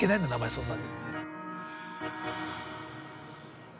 そんなに。